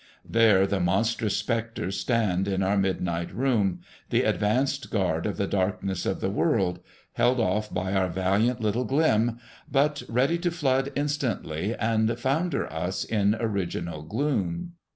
There the monstrous specters stand in our midnight room, the advance guard of the darkness of the world, held off by our valiant little glim, but ready to flood instantly and founder us in original gloom.